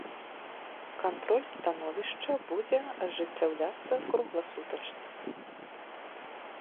Кантроль становішча будзе ажыццяўляцца кругласутачна.